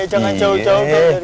jangan jauh jauh dari gue